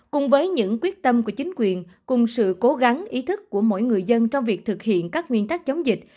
cùng với những quyết tâm của chính quyền cùng sự cố gắng ý thức của mỗi người dân trong việc thực hiện các nguyên tắc chống dịch